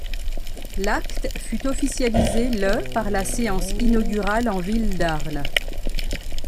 L'acte fut officialisé le par la séance inaugurale en ville d'Arles.